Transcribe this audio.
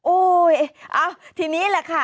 เอ้าทีนี้แหละค่ะ